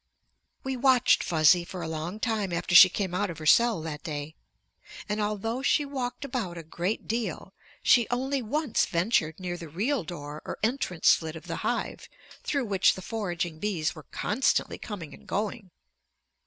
We watched Fuzzy for a long time after she came out of her cell that day, and although she walked about a great deal, she only once ventured near the real door or entrance slit of the hive through which the foraging bees were constantly coming and going.